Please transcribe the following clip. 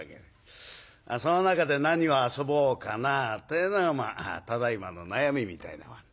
その中で何を遊ぼうかなっていうのがまあただいまの悩みみたいな。